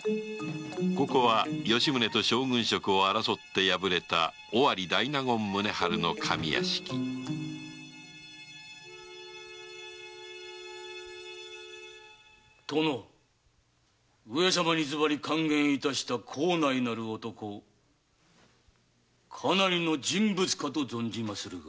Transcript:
ここは吉宗と将軍職を争って破れた尾張大納言宗春の上屋敷殿上様にずばり諌言致した幸内なる男かなりの人物かと存じまするが。